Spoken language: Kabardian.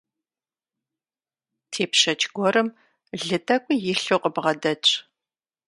Тепщэч гуэрым лы тӀэкӀуи илъу къыбгъэдэтщ.